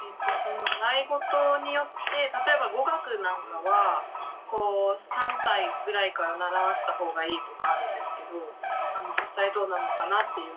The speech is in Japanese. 習いごとによって例えば語学なんかは３歳ぐらいから習わせた方がいいとかあるんですけど実際どうなのかなっていうのがあります。